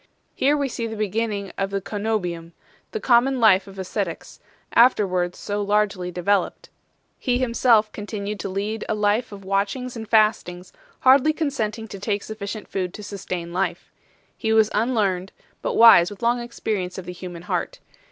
Here we see the beginning of the ccenobium, the common life of ascetics, afterwards so largely developed. He himself continued to lead a life of watchings and fastings, hardly consenting to take sufficient food to sustain life. He was unlearned, but wise with long experience of the human heart.